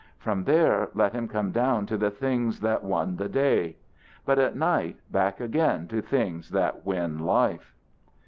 From there let him come down to the things that won the day; but at night back again to things that win life.